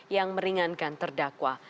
yang meringankan terdakwa